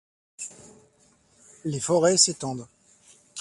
Les forêts s'étendent.